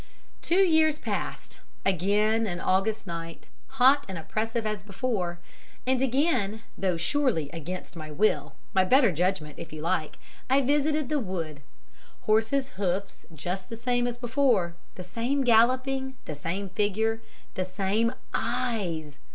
"Two years passed again an August night, hot and oppressive as before, and again though surely against my will, my better judgment, if you like I visited the wood. Horse's hoofs just the same as before. The same galloping, the same figure, the same EYES!